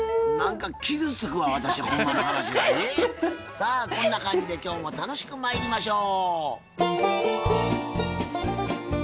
さあこんな感じで今日も楽しくまいりましょう！